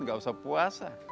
gak usah puasa